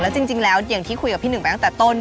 จริงแล้วอย่างที่คุยกับพี่หนึ่งไปตั้งแต่ต้น